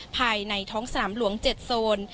ภายในท้องสนามหลวง๗โซน